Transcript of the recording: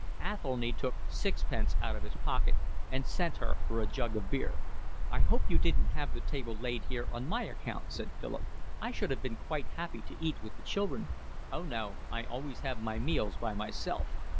Athelny took sixpence out of his pocket and sent her for a jug of beer. "I hope you didn't have the table laid here on my account," said Philip. "I should have been quite happy to eat with the children." "Oh no, I always have my meals by myself.